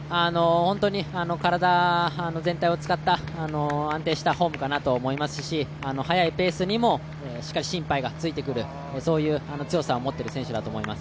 体全体を使った安定してフォームかなと思いますし早いペースにもしっかり身体がついてくるそういう強さを持っている選手だと思います。